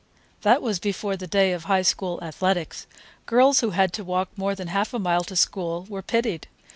That was before the day of High School athletics. Girls who had to walk more than half a mile to school were pitied.